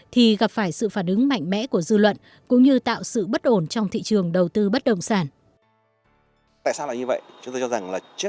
thì gặp phải sự phản ứng mạnh mẽ của dư luận cũng như tạo sự bất ổn trong thị trường đầu tư bất động sản